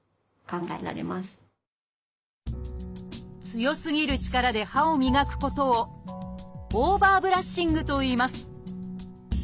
強すぎる力で歯を磨くことを「オーバーブラッシング」といいます。